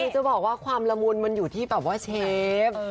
คือจะบอกว่าความละมุนมันอยู่ที่แบบว่าเชฟ